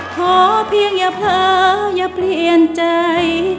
ขอเพียงอย่าเผลออย่าเปลี่ยนใจ